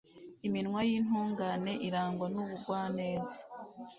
iminwa y'intungane irangwa n'ubugwaneza